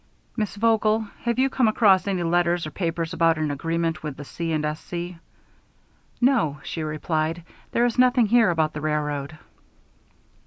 "Miss Vogel, have you come across any letters or papers about an agreement with the C. & S. C.?" "No," she replied, "there is nothing here about the railroad."